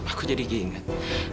aku jadi ingat